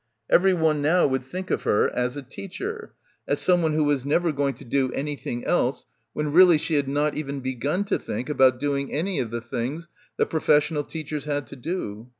Everyone now would think of her as a teacher; as someone who was never going to do anything else, when really she had not even begun to think about doing any of the things that professional teachers had to do.